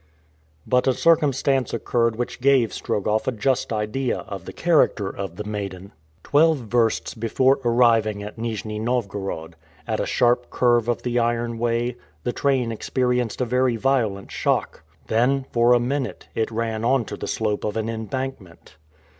But a circumstance occurred which gave Strogoff a just idea of the character of the maiden. Twelve versts before arriving at Nijni Novgorod, at a sharp curve of the iron way, the train experienced a very violent shock. Then, for a minute, it ran onto the slope of an embankment.